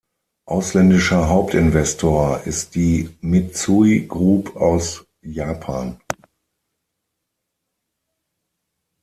Ausländischer Hauptinvestor ist die Mitsui Group aus Japan.